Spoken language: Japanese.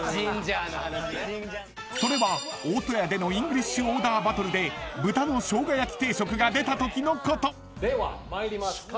［それは大戸屋でのイングリッシュオーダーバトルで豚の生姜焼き定食が出たときのこと］では参ります。